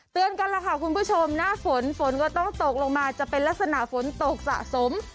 กันล่ะค่ะคุณผู้ชมหน้าฝนฝนก็ต้องตกลงมาจะเป็นลักษณะฝนตกสะสม